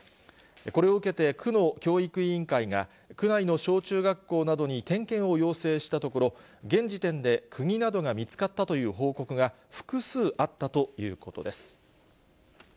これを受けて、区の教育委員会が区内の小中学校などに点検を要請したところ、現時点でくぎなどが見つかったという報告が複数あったということです。